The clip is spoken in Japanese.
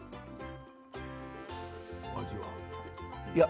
味は？